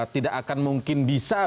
tidak akan mungkin bisa